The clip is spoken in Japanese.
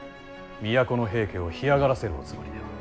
都の平家を干上がらせるおつもりでは。